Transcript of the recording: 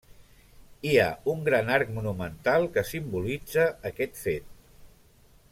Hi ha un gran arc monumental que simbolitza aquest fet.